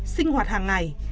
sinh hoạt hàng ngày